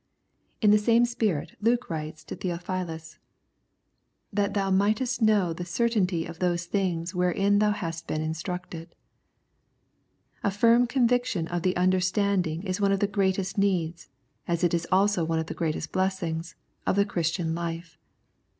In the same spirit Luke writes to Theo philus :" That thou mightest know the certainty of those things wherein thou hast been instructed." A firm conviction of the understanding is one of the greatest needs, as it is also one of the greatest blessings, of the Christian life.